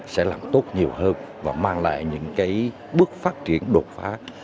sẽ làm tốt nhiều hơn và mang lại những bước phát triển đột phá